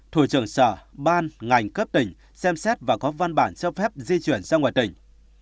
thủ trưởng sở ban ngành cấp tỉnh xem xét và có văn bản cho phép di chuyển ra ngoài tỉnh